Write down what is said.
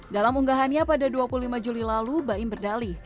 dalam unggahannya pada dua puluh lima juli lalu baim berdali